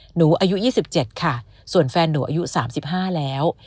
อายุ๒๗ค่ะส่วนแฟนหนูอายุ๓๕แล้ว